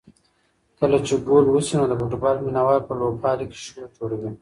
کله چې ګول وشي نو د فوټبال مینه وال په لوبغالي کې شور جوړوي.